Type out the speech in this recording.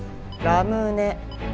ラムネ？